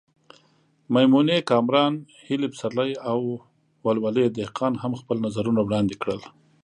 میمونې کامران، هیلې پسرلی او ولولې دهقان هم خپل نظرونه وړاندې کړل.